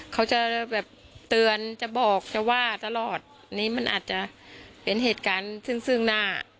เขาจะแบบเตือนจะบอกจะว่าตลอดนี้มันอาจจะเป็นเหตุการณ์ซึ่งซึ่งหน้า